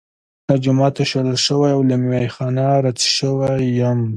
له جوماته شړل شوی او له میخا نه رد شوی یم.